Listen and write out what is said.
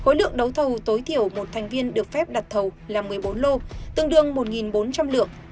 khối lượng đấu thầu tối thiểu một thành viên được phép đặt thầu là một mươi bốn lô tương đương một bốn trăm linh lượng